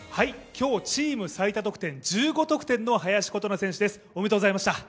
今日、チーム最多得点、１５得点の林琴奈選手です。